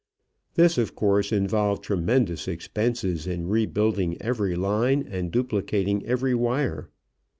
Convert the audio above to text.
This, of course, involved tremendous expenses in rebuilding every line and duplicating every wire.